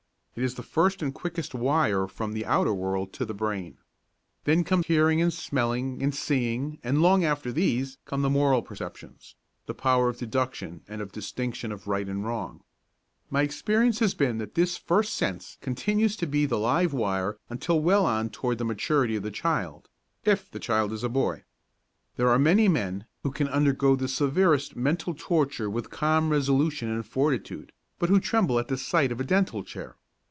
It is the first and quickest wire from the outer world to the brain. Then come hearing and smelling and seeing and long after these come the moral perceptions, the power of deduction and the distinction of right and wrong. My experience has been that this first sense continues to be the live wire until well on toward the maturity of the child if the child is a boy. There are many men, who can undergo the severest mental torture with calm resolution and fortitude, but who tremble at the sight of a dental chair.